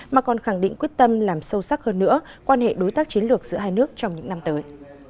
mà còn khẳng định quyết tâm làm sâu sắc hơn nữa quan hệ đối tác chiến lược giữa hai nước trong những năm tới